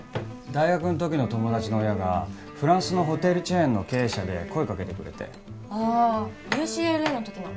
大学ん時の友達の親がフランスのホテルチェーンの経営者で声かけてくれてあＵＣＬＡの時の？